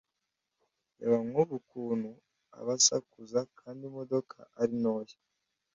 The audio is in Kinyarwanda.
reba nk’ubu ukuntu aba asakuza kandi imodoka ari ntoya